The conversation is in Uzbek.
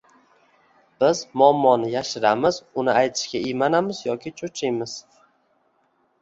Biz muammoni yashiramiz, uni aytishga iymanamiz yoki cho‘chiymiz.